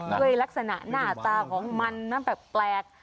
ด้วยลักษณะหน้าตาของมันนะแปลก